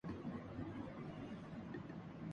وہ جیب میں اپنا موبائل فون رکھتا ہے۔